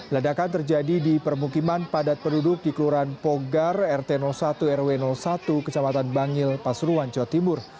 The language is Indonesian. ledakan terjadi di permukiman padat penduduk di kelurahan pogar rt satu rw satu kecamatan bangil pasuruan jawa timur